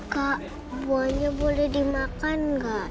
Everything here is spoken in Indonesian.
kak buahnya boleh dimakan nggak